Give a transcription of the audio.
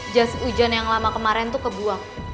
jas ujan yang lama kemarin tuh kebuang